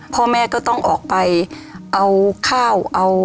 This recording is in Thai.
พ่อแม่ก็ต้องออกไปเอาข้าวเอา